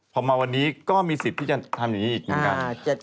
พอมาวันนี้ก็มีสิทธิ์ที่จะทำอย่างนี้อีกเหมือนกัน